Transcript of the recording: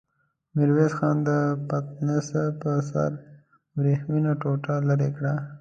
ميرويس خان د پتناسه پر سر ورېښمينه ټوټه ليرې کړه.